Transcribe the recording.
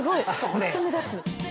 めっちゃ目立つ。